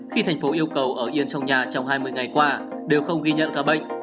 khi thành phố yêu cầu ở yên trong nhà trong hai mươi ngày qua đều không ghi nhận ca bệnh